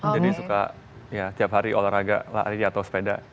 jadi suka ya tiap hari olahraga lari atau sepeda